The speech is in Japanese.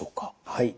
はい。